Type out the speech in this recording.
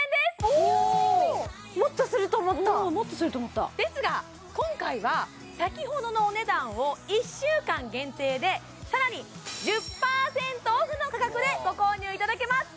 うんもっとすると思ったですが今回は先ほどのお値段を１週間限定でさらに１０％オフの価格でご購入いただけます